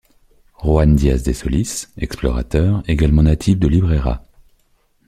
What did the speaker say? Juan Díaz de Solís, explorateur, également natif de Libreja.